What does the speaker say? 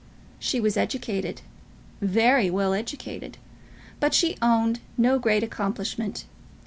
She was educated, very well educated; but she owned no great accomplishment.